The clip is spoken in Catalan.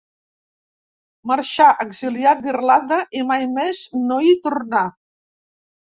Marxà exiliat d'Irlanda i mai més no hi tornà.